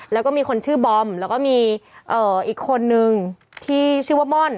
แล้วก็มีคนชื่อบอมแล้วก็มีอีกคนนึงที่ชื่อว่าม่อน